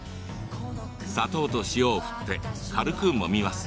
砂糖と塩を振って軽くもみます。